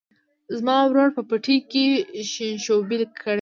زما ورور په پټي کې شینشوبي کرلي دي.